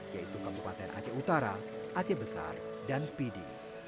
yaitu kabupaten aceh utara aceh besar dan pidi